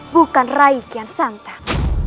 bukan rai kian santan